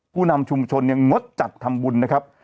ผู้นำชุมชนเนี่ยงดจัดทำบุญนะครับ